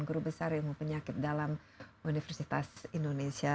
guru besar ilmu penyakit dalam universitas indonesia